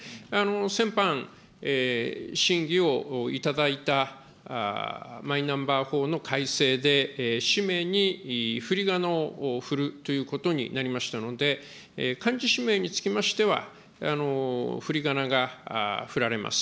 先般、審議をいただいたマイナンバー法の改正で、氏名にふりがなを振るということになりましたので、漢字氏名につきましては、ふりがなが振られます。